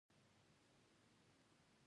زه کینه نه ساتم.